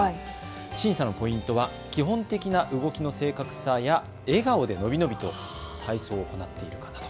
審査のポイントは基本的な動きの正確さや笑顔で伸び伸びと体操を行っているかなど。